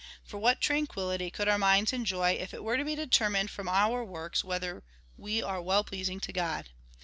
For what tranquillity could our minds enjoy if it were to be determined from our works whether we are well pleasing to God